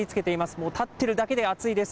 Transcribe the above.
もう立ってるだけで暑いです。